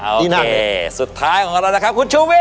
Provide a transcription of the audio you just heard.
โอเคสุดท้ายของเรานะครับคุณชูวิทย์